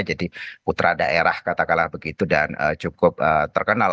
jadi putra daerah katakanlah begitu dan cukup terkenal